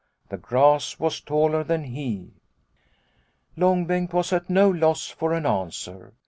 The grass was taller than he. " Long Bengt was at no loss for an answer.